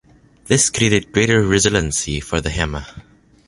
This created greater resiliency for the hammer.